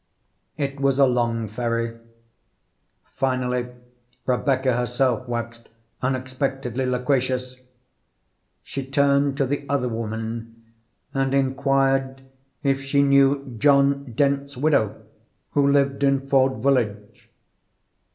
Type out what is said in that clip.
It was a long ferry. Finally Rebecca herself waxed unexpectedly loquacious. She turned to the other woman and inquired if she knew John Dent's widow who lived in Ford Village.